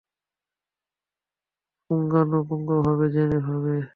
পুঙ্খানুপুঙ্খভাবে জেনে যাবে।